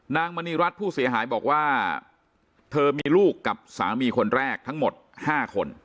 มณีรัฐผู้เสียหายบอกว่าเธอมีลูกกับสามีคนแรกทั้งหมด๕คน